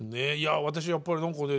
私やっぱり何かね